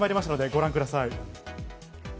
ご覧ください。